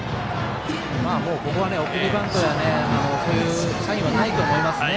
ここは送りバントやそういうサインはないと思いますね。